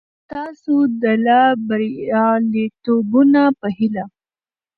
ستاسو د لا بریالیتوبونو په هیله!